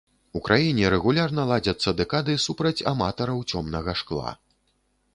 У краіне рэгулярна ладзяцца дэкады супраць аматараў цёмнага шкла.